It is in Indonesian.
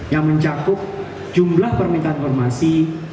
yang mencakup jumlah permintaan informasi